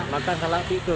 makan salak itu